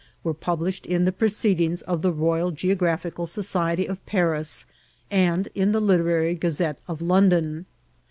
were published in the proceedings of the Royal Ged* graphical Society of Paris, and in the Literary Ghizette of London.